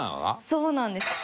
そうなんです。